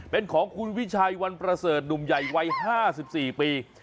เป็นของคุณวิชัยวันประเสริฐหนุ่มใหญ่วัย๕๔ปี